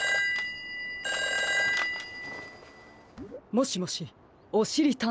☎もしもしおしりたんてい